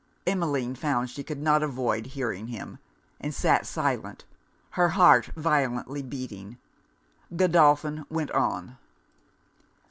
Emmeline found she could not avoid hearing him; and sat silent, her heart violently beating. Godolphin went on.